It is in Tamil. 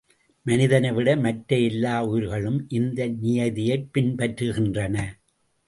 மனிதனை விட மற்ற எல்லா உயிர்களும் இந்த நியதியைப் பின்பற்றுகின்றன.